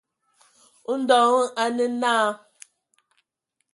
Ndɔ hm a nə naa.